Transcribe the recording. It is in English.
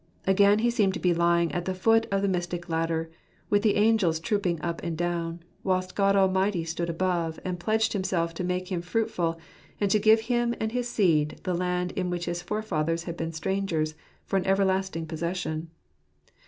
Again he seemed to be lying at the foot of the mystic ladder, with its angels troop ing up and down, whilst God Almighty stood above, and pledged Himself to make him fruitful, and to give to him and his seed the land in which his forefathers had been strangers, for an everlasting possession.